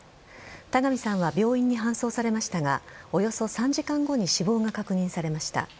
田上さんは病院に搬送されましたがおよそ３時間後に死亡が確認されました。